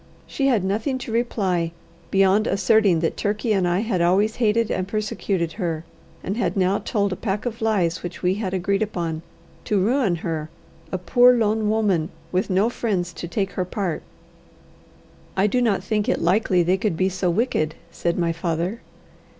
She had nothing to reply beyond asserting that Turkey and I had always hated and persecuted her, and had now told a pack of lies which we had agreed upon, to ruin her, a poor lone woman, with no friends to take her part. "I do not think it likely they could be so wicked," said my father.